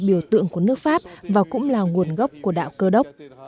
biểu tượng của nước pháp và cũng là nguồn gốc của đạo cơ đốc